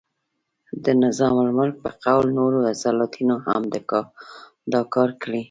د نظام الملک په قول نورو سلاطینو هم دا کار کړی.